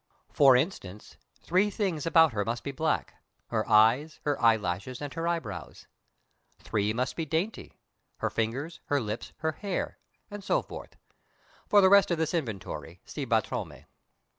For instance, three things about her must be black, her eyes, her eyelashes, and her eyebrows. Three must be dainty, her fingers, her lips, her hair, and so forth. For the rest of this inventory, see Brantome.